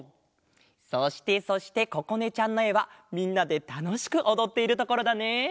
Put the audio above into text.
そしてそしてここねちゃんのえはみんなでたのしくおどっているところだね。